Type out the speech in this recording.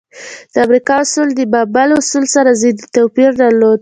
د امریکا اصول د بابل اصولو سره ځینې توپیر درلود.